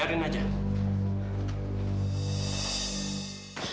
kamilah mau bicara sama fadil